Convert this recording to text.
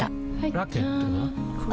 ラケットは？